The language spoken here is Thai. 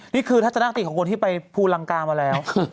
ทัศนติของคนที่ไปภูลังกามาแล้ว